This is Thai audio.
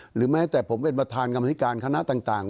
หรือแม้ผมเป็นบทกรรมกรรมคณะต่าง